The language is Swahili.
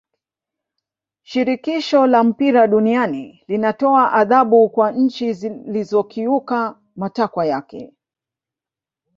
shirikisho la mpira duniani linatoa adhabu kwa nchi zilizokiuka matakwa yake